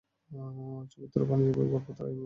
ছবিত্রয় বাণিজ্যিকভাবে গড়পরতায় আয়ের মুখ দেখে।